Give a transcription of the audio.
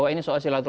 yang keempat itu